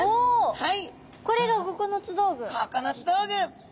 はい！